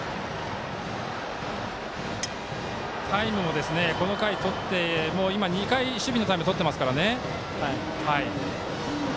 タイムをこの回２回、守備のタイムをとってますから。